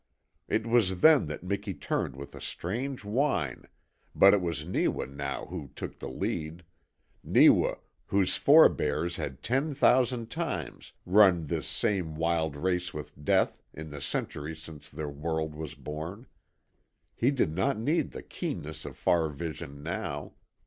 It was then that Miki turned with a strange whine but it was Neewa now who took the lead Neewa, whose forebears had ten thousand times run this same wild race with death in the centuries since their world was born. He did not need the keenness of far vision now.